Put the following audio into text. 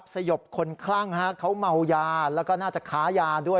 สยบคนคลั่งเขาเมายาแล้วก็น่าจะค้ายาด้วย